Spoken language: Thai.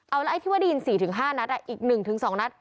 เอาละไอ้ที่วดีน๔๕นัดอ่ะอีก๑๒นัด